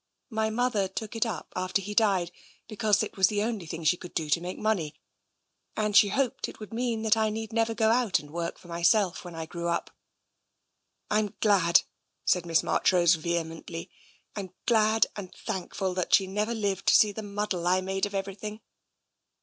My mother took it up. after he died, because it was the only thing she could do to make money, and she hoped it would mean that I need never go out and work for myself when I grew up. I'm glad," said Miss March rose vehemently, " I'm glad and. thankful that she never lived to see the muddle I made of everything."